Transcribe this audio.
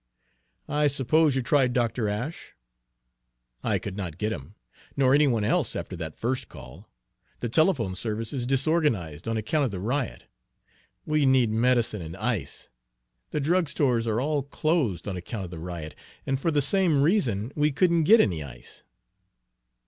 "I suppose you tried Dr. Ashe?" "I could not get him, nor any one else, after that first call. The telephone service is disorganized on account of the riot. We need medicine and ice. The drugstores are all closed on account of the riot, and for the same reason we couldn't get any ice."